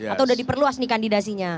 atau sudah diperluas nih kandidasinya